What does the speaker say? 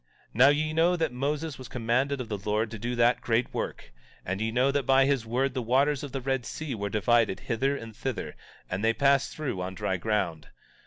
17:26 Now ye know that Moses was commanded of the Lord to do that great work; and ye know that by his word the waters of the Red Sea were divided hither and thither, and they passed through on dry ground.